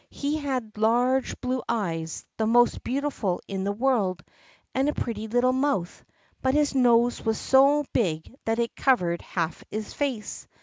He had large blue eyes, the most beautiful in the world, and a pretty little mouth, but his nose was so big that it covered half his face.